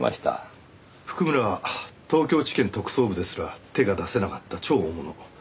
譜久村は東京地検特捜部ですら手が出せなかった超大物。